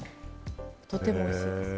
とてもおいしいです。